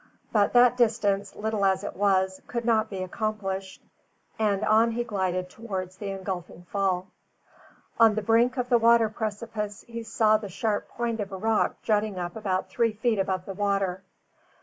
But that distance, little as it was, could not be accomplished, and on he glided towards the engulfing fall. On the brink of the water precipice he saw the sharp point of a rock jutting about three feet above the water.